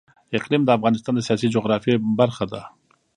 اقلیم د افغانستان د سیاسي جغرافیه برخه ده.